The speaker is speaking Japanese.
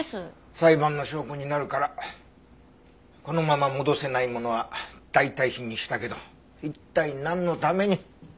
裁判の証拠になるからこのまま戻せないものは代替品にしたけど一体なんのために。